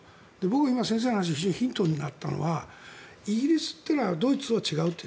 僕は今、先生の話が非常にヒントになったのはイギリスっていうのはドイツとは違うと。